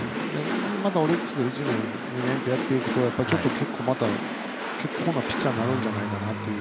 まだオリックスで１年２年とやっていくとちょっと結構なピッチャーになるんじゃないかなという。